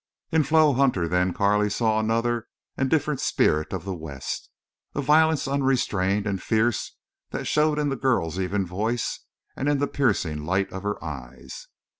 In Flo Hutter then Carley saw another and a different spirit of the West, a violence unrestrained and fierce that showed in the girl's even voice and in the piercing light of her eyes.